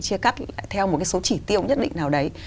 chia cắt theo một cái số chỉ tiêu nhất định nào đấy